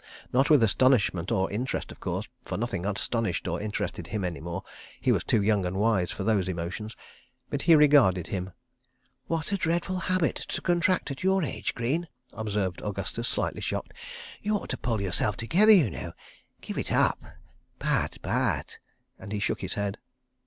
Not with astonishment or interest, of course, for nothing astonished or interested him any more. He was too young and wise for those emotions. But he regarded him. "What a dreadful habit to contract at your age, Greene," observed Augustus, slightly shocked. "Y'ought to pull yourself together, y'know. ... Give it up. ... Bad. ... Bad. .." and he shook his head.